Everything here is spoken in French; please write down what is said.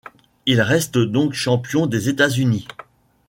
Il reste donc champion des États-Unis.